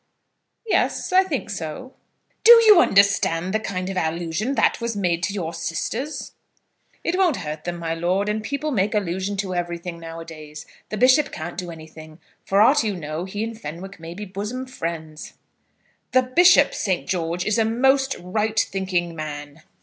"Yes; I think so." "Do you understand the kind of allusion that was made to your sisters?" "It won't hurt them, my lord; and people make allusion to everything now a days. The bishop can't do anything. For aught you know he and Fenwick may be bosom friends." "The bishop, St. George, is a most right thinking man."